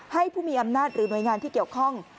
ผู้มีอำนาจหรือหน่วยงานที่เกี่ยวข้อง